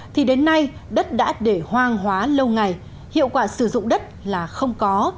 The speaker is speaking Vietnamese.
thì đến nay đất đã để hoang hóa lâu ngày hiệu quả sử dụng đất là không có